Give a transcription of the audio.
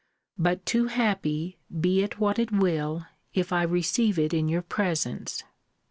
But too happy, be it what it will, if I receive it in your presence.